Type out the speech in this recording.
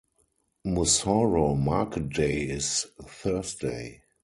Moussoro market day is Thursday.